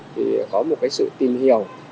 thì có một cái sự tìm hiểu